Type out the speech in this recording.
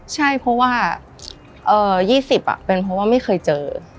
ใช่เพราะว่า๒๐เป็นเพราะว่าไม่เคยเจอ